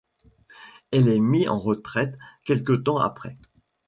Il est mis en retraite quelque temps après.